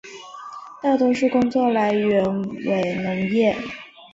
大多数工作来源为农业。